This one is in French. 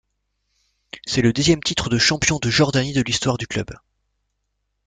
C'est le dixième titre de champion de Jordanie de l'histoire du club.